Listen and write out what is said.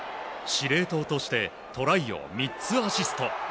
司令塔としてトライを３つアシスト。